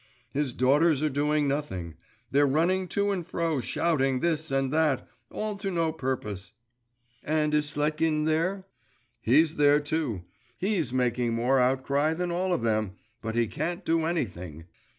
'His daughters are doing nothing. They're running to and fro, shouting … this and that … all to no purpose.' 'And is Sletkin there?' 'He's there too. He's making more outcry than all of them but he can't do anything.